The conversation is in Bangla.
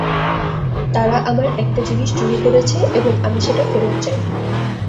তারা আমার একটা জিনিস চুরি করেছে এবং আমি সেটা ফেরত চাই।